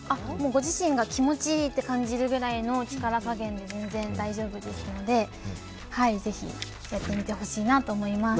ご自身が気持ちいいと感じるくらいの力加減で全然大丈夫ですので、ぜひやってみてほしいなと思います。